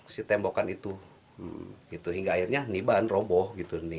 si tembokan itu hingga akhirnya niban roboh gitu